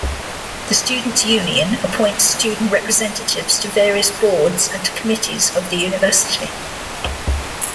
The students' union appoints student representatives to various boards and committees of the university.